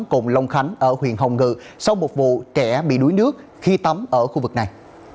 cùng long khánh ở huyện hồng ngự sau một vụ trẻ bị đuối nước khi tắm ở khu vực này